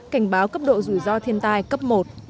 cảnh báo cấp độ rủi ro thiên tai cấp một